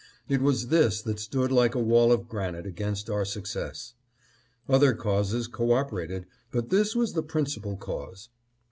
It was this that stood like a wall of granite against our success. Other causes co operated, but this was the principal cause.